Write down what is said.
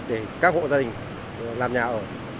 để các hộ gia đình làm nhà ở